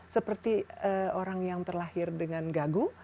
seperti orang yang terlahir dengan gagu